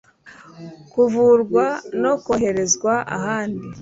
kuvurwa no koherezwa ahandi